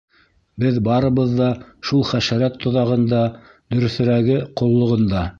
Беҙ барыбыҙ ҙа шул хәшәрәт тоҙағында, дөрөҫөрәге, ҡоллоғонда.